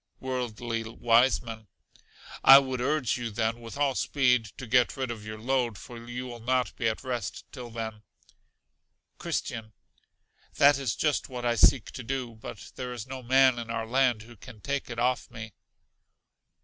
Worldly Wiseman. I would urge you then, with all speed, to get rid of your load; for you will not be at rest till then. Christian. That is just what I seek to do. But there is no man in our land who can take if off me.